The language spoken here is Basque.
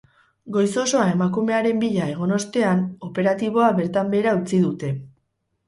Goiz osoa emakumearen bila egon ostean, operatiboa bertan behera utzi dute.